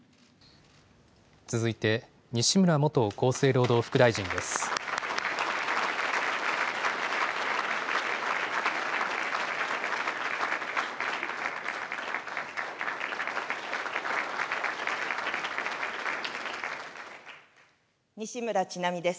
続いて、西村元厚生労働副大臣です。